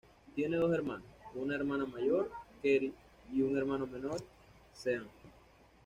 Tiene dos hermanos, una hermana mayor, Kerry, y un hermano menor, Sean.